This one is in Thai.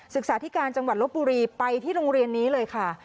ศึกษาธิการจังหวัดลบบุรีไปที่โรงเรียนนี้เลยค่ะ